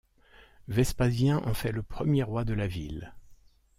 Vespasien en fait le premier roi de la ville.